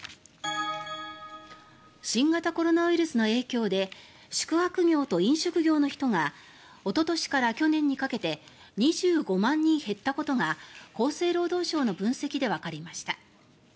新型コロナウイルスの影響で宿泊業と飲食業の人がおととしから去年にかけて２５万人減ったことが厚生労働省の分析でわかりました。